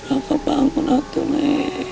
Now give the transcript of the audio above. rafa bangunlah aku mek